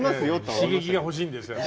刺激が欲しいんですよね